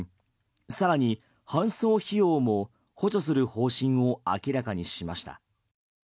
更に搬送費用も補助する方針を明らかにしました。